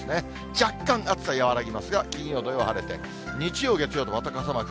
若干暑さ和らぎますが、金曜、土曜晴れて、日曜、月曜とまた傘マーク。